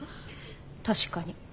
確かに。